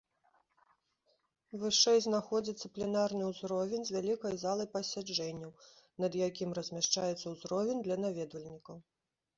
Вышэй знаходзіцца пленарны ўзровень з вялікай залай пасяджэнняў, над якім размяшчаецца ўзровень для наведвальнікаў.